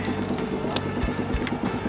thank you roman